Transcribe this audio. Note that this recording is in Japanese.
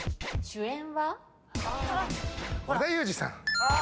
主演は？